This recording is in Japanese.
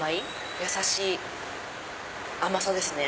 やさしい甘さですね。